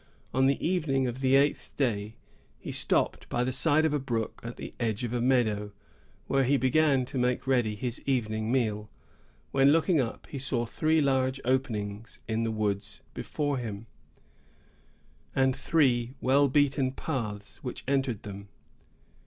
On the evening of the eighth day, he stopped by the side of a brook at the edge of a meadow, where he began to make ready his evening meal, when, looking up, he saw three large openings in the woods before him, and three well beaten paths which entered them.